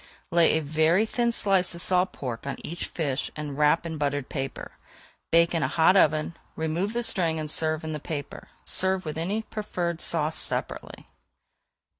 Lay a very thin slice of salt pork on each fish and wrap in buttered paper. Bake in a hot oven. Remove the string and serve in the paper. Serve any preferred sauce separately.